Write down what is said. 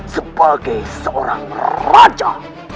sebagai seorang raja